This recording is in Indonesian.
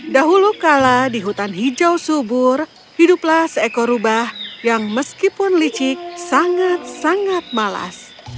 dahulu kala di hutan hijau subur hiduplah seekor rubah yang meskipun licik sangat sangat malas